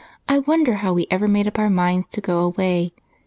I wonder how we ever made up our minds to go away!"